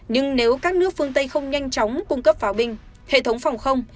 nhưng nếu các nước phương tây không nhanh chóng cung cấp pháo binh hệ thống phòng không